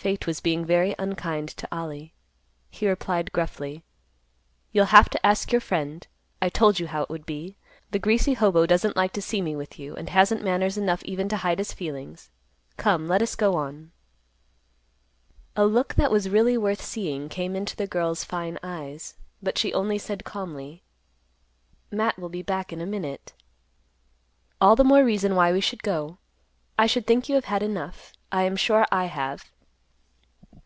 Fate was being very unkind to Ollie. He replied gruffly, "You'll have to ask your friend. I told you how it would be. The greasy hobo doesn't like to see me with you, and hasn't manners enough even to hide his feelings. Come, let us go on." A look that was really worth seeing came into the girl's fine eyes, but she only said calmly; "Matt will be back in a minute." "All the more reason why we should go. I should think you have had enough. I am sure I have."